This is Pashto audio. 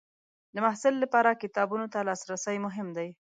د محصل لپاره کتابونو ته لاسرسی مهم دی.